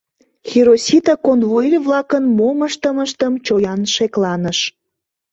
Хиросита конвоир-влакын мом ыштымыштым чоян шекланыш!.